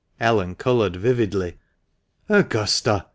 Ellen coloured vividly. "Augusta!"